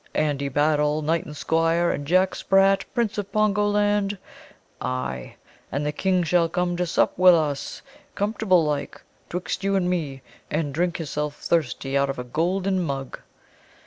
Andrew Battle, knight and squire, and Jack Sprat, Prince of Pongo land. Ay, and the King shall come to sup wi' us, comfortable like, 'twixt you and me, and drink hisself thirsty out of a golden mug."